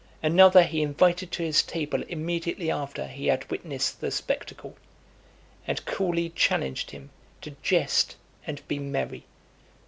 Another he invited to his table immediately after he had witnessed the spectacle, and coolly challenged him to jest and be merry.